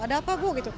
ada apa bu